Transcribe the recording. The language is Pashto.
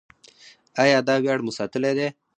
آیا دا ویاړ مو ساتلی دی؟